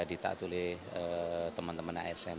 ditatuhi teman teman asm